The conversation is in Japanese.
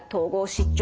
失調